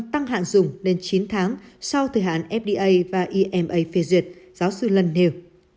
đảm bảo hạn dùng đến chín tháng sau thời hạn fda và ema phê duyệt giáo sư lân nêu